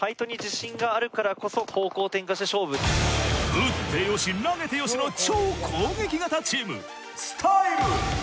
撃ってよし投げてよしの超攻撃型チームＳＴＹＬＥ。